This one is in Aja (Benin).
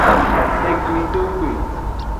Eglidogbe.